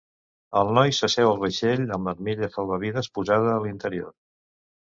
El noi s'asseu al vaixell amb l'armilla salvavides posada a l'interior.